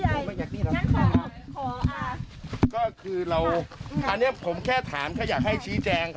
นะครับขอคือเราอันนี้ผมแค่ถามถ้าอยากให้ชี้แจง